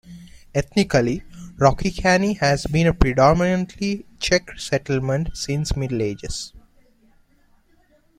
Ethnically, Rokycany has been a predominately Czech settlement since Middle Ages.